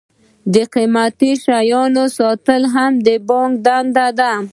د قیمتي شیانو ساتل هم د بانک دنده ده.